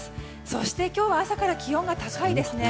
そして今日は朝から気温が高いですね。